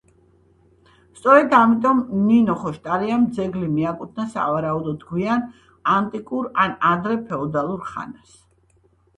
სწორედ ამიტომ ნინო ხოშტარიამ ძეგლი მიეკუთვნა სავარაუდოდ გვიან ანტიკურ ან ადრე ფეოდალურ ხანას.